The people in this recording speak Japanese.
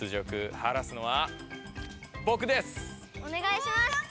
おねがいします！